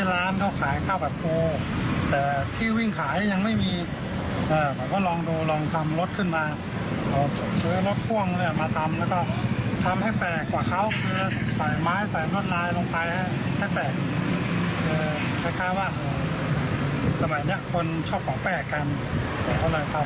ว่าสมัยเนี้ยคนชอบของแปลกกันแต่เขาเลยทำเขาแปลกแล้วเขา